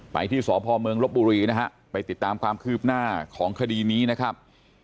ที่สพเมืองลบบุรีนะฮะไปติดตามความคืบหน้าของคดีนี้นะครับ